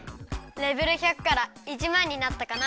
レベル１００から１まんになったかな。